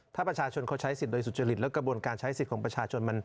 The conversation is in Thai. ถ้าประชาชนเขาใช้สิทธิ์โดยสุจริตแล้วกระบวนการใช้สิทธิ์ของประชาชน